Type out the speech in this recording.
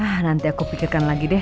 ah nanti aku pikirkan lagi deh